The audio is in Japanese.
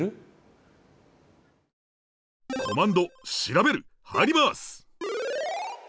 コマンド「しらべる」入ります！